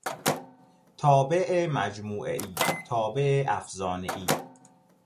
تابع مجموعهای، تابع افزانهای